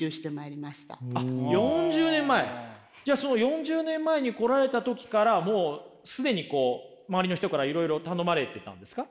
じゃあその４０年前に来られた時からもう既にこう周りの人からいろいろ頼まれてたんですか？